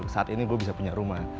saat ini gue bisa punya rumah